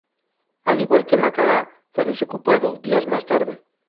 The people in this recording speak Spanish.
Al igual que Macará, fue desocupado días más tarde.